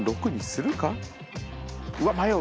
うわ迷う。